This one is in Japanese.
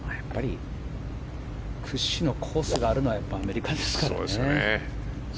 屈指のコースがあるのはアメリカですからね。